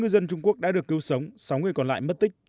có tám ngư dân trung quốc đã được cứu sống sáu người còn lại mất tích